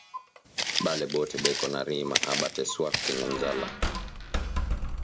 Bale bote beko na rima aba teswake na njala